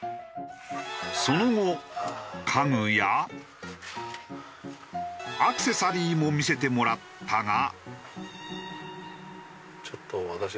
その後家具やアクセサリーも見せてもらったが。